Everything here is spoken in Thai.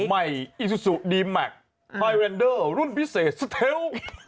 ใหม่อีซูซูดีแมคไฮเรนเดอร์รุ่นพิเศษสเทล